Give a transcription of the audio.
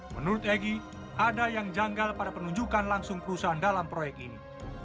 menurut egy ada yang janggal pada penunjukan langsung perusahaan dalam proyek ini